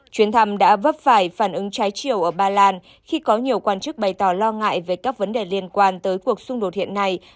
chuyến thăm đã vấp phải phản ứng trái chiều ở ba lan khi có nhiều quan chức bày tỏ lo ngại về các vấn đề liên quan tới cuộc xung đột hiện nay